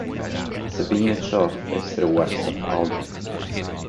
Sabine itself is to the west of Aldrin.